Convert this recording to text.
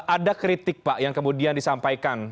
ada kritik pak yang kemudian disampaikan